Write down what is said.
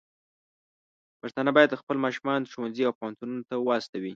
پښتانه بايد خپل ماشومان ښوونځي او پوهنتونونو ته واستوي.